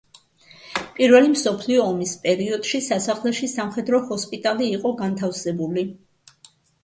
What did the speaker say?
პირველი მსოფლიო ომის პერიოდში სასახლეში სამხედრო ჰოსპიტალი იყო განთავსებული.